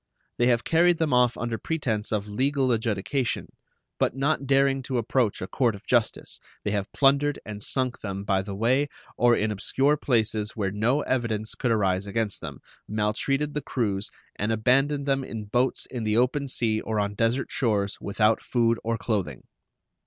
They have carried them off under pretense of legal adjudication, but not daring to approach a court of justice, they have plundered and sunk them by the way or in obscure places where no evidence could arise against them, maltreated the crews, and abandoned them in boats in the open sea or on desert shores without food or clothing.